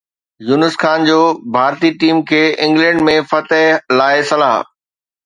يونس خان جو ڀارتي ٽيم کي انگلينڊ ۾ فتح لاءِ صلاح